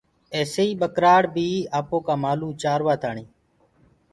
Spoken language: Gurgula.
ايسي ئيٚ ٻڪرآڙ بي آپوڪآ مآلوُ چآرآ تآڻي